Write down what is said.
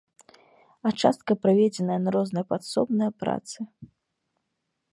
А частка пераведзеная на розныя падсобныя працы.